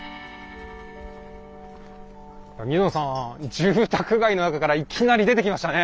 住宅街の中からいきなり出てきましたね。